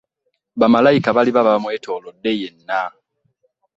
Ba malayika baliba bamwetoolodde yenna.